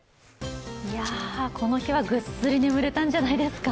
この日はぐっすり眠れたんじゃないですか。